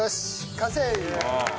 完成！